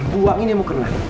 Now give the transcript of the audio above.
buangin yang mau kena